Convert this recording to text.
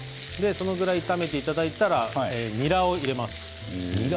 そのぐらい炒めていただいたらニラを入れます。